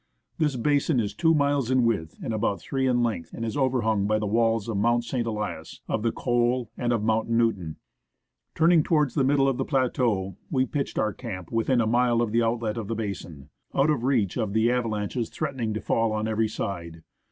This basin is two miles in width and about three in length, and is overhung by the walls of Mount St. Elias, of the col and of Mount Newton. Turning towards the middle of the plateau, we pitched our camp within a mile of the outlet of the basin, out of reach of the MOUNT NEWTON FROM THE THIRD CASCADE. avalanches threatening to fall on every side.